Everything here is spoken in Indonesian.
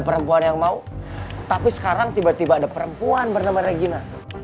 perempuan yang mau tapi sekarang tiba tiba ada perempuan bernama regina